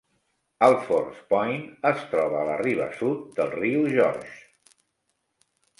Alfords Point es troba a la riba sud del riu Georges.